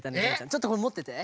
ちょっとこれもってて。